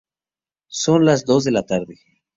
Son las dos de la tarde.